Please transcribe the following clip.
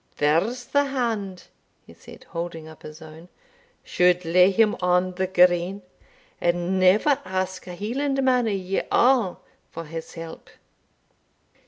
There's the hand," he said, holding up his own, "should lay him on the green, and never ask a Hielandman o' ye a' for his help."